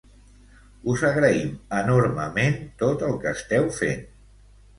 Us agraïm enormement tot el que esteu fent!